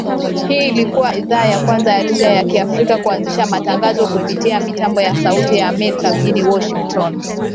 Hii ilikua idhaa ya kwanza ya lugha ya Kiafrika kuanzisha matangazo kupitia mitambo ya Sauti ya Amerika mjini Washington